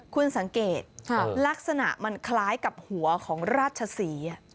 คุณสังเกตลักษณะมันคล้ายกับหัวของราชศรี